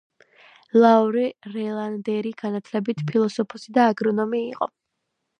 ლაური რელანდერი განათლებით ფილოსოფოსი და აგრონომი იყო.